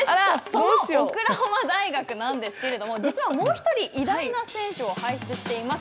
そのオクラホマ大学なんですけれども、実はもう１人偉大な選手を輩出しています。